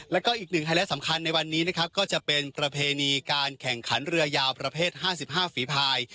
แล้วก็อีกหนึ่งไฮไลท์สำคัญในวันนี้นะครับก็จะเป็นประเพณีการแข่งขันเรือยาวประเภท๕๕ฝีภาย